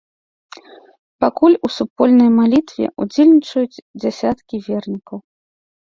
Пакуль у супольнай малітве ўдзельнічаюць дзясяткі вернікаў.